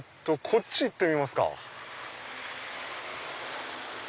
こっち行ってみますか。